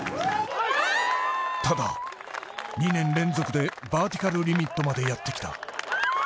多田、２年連続で、バーティカルリミットまでやって来た。